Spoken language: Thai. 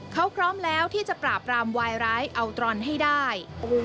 เขาพร้อมแล้วที่จะปราบรามวายร้ายอัลตรอนให้ได้